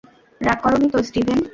রাগ করোনি তো, স্টিভেন?